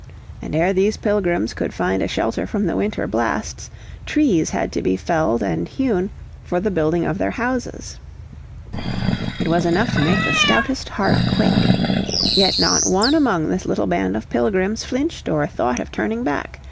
And ere these Pilgrims could find a shelter from the winter blasts, trees had to be felled and hewn for the building of their houses. It was enough to make the stoutest heart quake. Yet not one among this little band of Pilgrims flinched or thought of turning back.